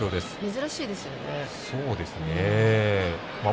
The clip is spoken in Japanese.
珍しいですよね。